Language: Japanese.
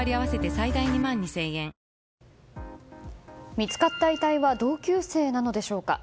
見つかった遺体は同級生なのでしょうか。